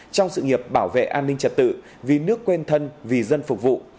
trong sự nghiệp bảo vệ an ninh trật tự vì nước quên thân vì dân phục vụ